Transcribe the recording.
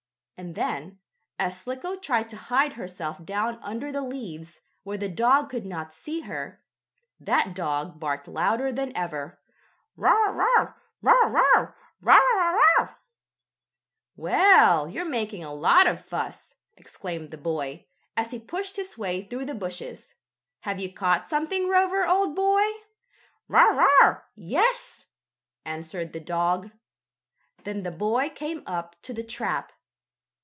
And then, as Slicko tried to hide herself down under the leaves, where the dog could not see her, that dog barked louder than ever. "Bow wow! Wow! Wow! Woppity wop wow!" "Well, you're making a lot of fuss!" exclaimed the boy, as he pushed his way through the bushes. "Have you caught something, Rover, old boy?" "Bow wow! Yes!" answered the dog. Then the boy came up to the trap.